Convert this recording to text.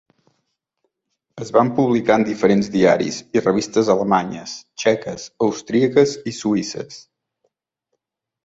Es van publicar en diferents diaris i revistes alemanyes, txeques, austríaques i suïsses.